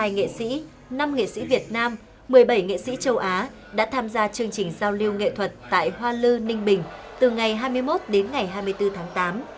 một mươi nghệ sĩ năm nghệ sĩ việt nam một mươi bảy nghệ sĩ châu á đã tham gia chương trình giao lưu nghệ thuật tại hoa lư ninh bình từ ngày hai mươi một đến ngày hai mươi bốn tháng tám